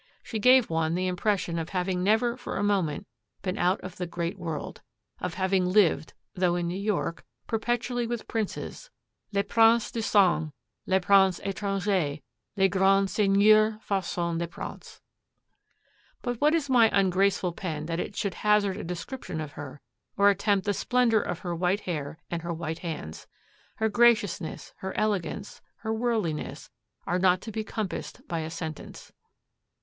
She gave one the impression of having never for a moment been out of the great world; of having lived, though in New York, perpetually with princes 'les princes du sang, les princes étrangers, les grands seigneurs façon de princes.' But what is my ungraceful pen that it should hazard a description of her, or attempt the splendor of her white hair and her white hands! Her graciousness, her elegance, her worldliness, are not to be compassed by a sentence.